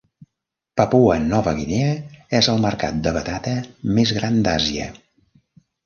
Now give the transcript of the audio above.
Papua Nova Guinea és el mercat de batata més gran d"Àsia.